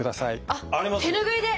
あっ手ぬぐいで！